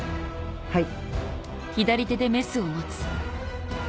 はい。